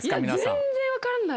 全然分かんない。